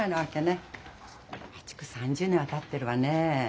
まあ築３０年はたってるわねえ。